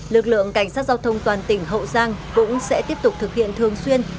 lực lượng cảnh sát giao thông toàn tỉnh hậu giang cũng sẽ tiếp tục thực hiện thường xuyên